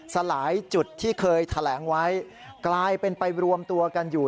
สลายจุดที่เคยแถลงไว้กลายเป็นไปรวมตัวกันอยู่